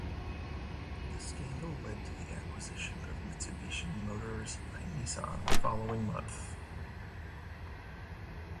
The scandal led to the acquisition of Mitsubishi Motors by Nissan the following month.